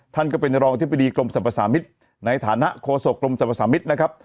ท่านก็เป็นรองอธิบดีกลุ่มสรรพสามิทในฐานะโคสกกลุ่มสรรพสามิทนะครับ